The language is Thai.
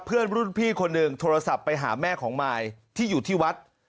เพื่อนรุ่นพี่คนหนึ่งโทรศัพท์ไปหาแม่ของมายที่อยู่ที่วัด